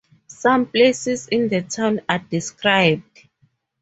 Some places in the town are described.